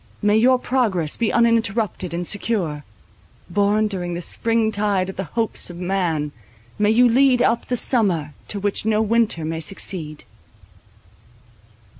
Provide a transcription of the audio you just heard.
May your progress be uninterrupted and secure; born during the spring tide of the hopes of man, may you lead up the summer to which no winter may succeed!